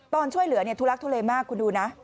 ตอนช่วยเหลือเนี่ยทุลักษณ์ทุเรมากคุณดูนะ